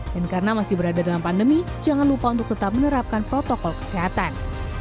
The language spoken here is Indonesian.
dan karena masih berada dalam pandemi jangan lupa untuk tetap menerapkan protokol kesehatan